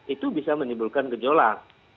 itu bisa menimbulkan gejolak